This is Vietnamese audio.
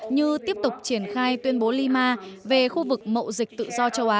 như tiếp tục triển khai tuyên bố lima về khu vực mậu dịch tự do châu á